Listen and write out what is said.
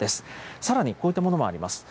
さらにこういったものもあります。